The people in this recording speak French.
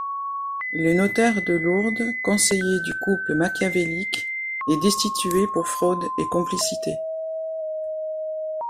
Le notaire de Lourdes, conseiller du couple machiavélique, est destitué pour fraude et complicité.